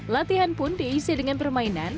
latihan pun diisi dengan permainan